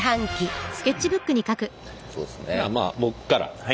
まあ僕から。